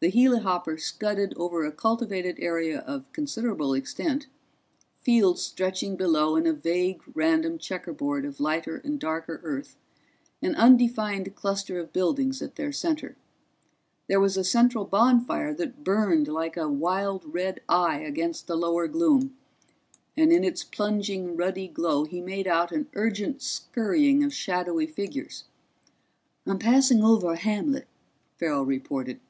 The helihopper scudded over a cultivated area of considerable extent, fields stretching below in a vague random checkerboard of lighter and darker earth, an undefined cluster of buildings at their center. There was a central bonfire that burned like a wild red eye against the lower gloom, and in its plunging ruddy glow he made out an urgent scurrying of shadowy figures. "I'm passing over a hamlet," Farrell reported.